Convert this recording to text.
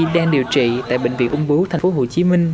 đang điều trị tại bệnh viện ung bưu tp hcm